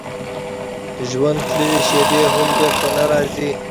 ژوند تللې شېبې هم بېرته نه راګرځي.